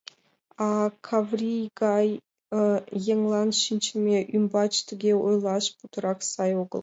А Каврий гай еҥлан шинчыме ӱмбач тыге ойлаш путырак сай огыл.